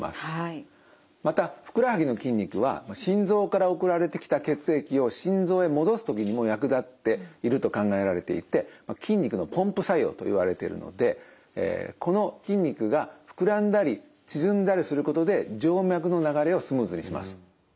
またふくらはぎの筋肉は心臓から送られてきた血液を心臓へ戻す時にも役立っていると考えられていて筋肉のポンプ作用といわれてるのでこの筋肉が膨らんだり縮んだりすることで静脈の流れをスムーズにします。